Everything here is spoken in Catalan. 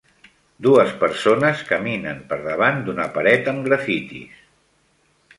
Dues persones caminen per davant d'una paret amb grafitis.